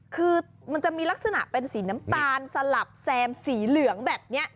คือมันจะมีลักษณะเป็นสีน้ำตาลสลับแซมสีเหลืองแบบนี้